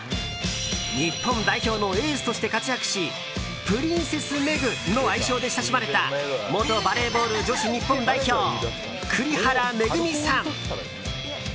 日本代表のエースとして活躍しプリンセス・メグの愛称で親しまれた元バレーボール女子日本代表栗原恵さん。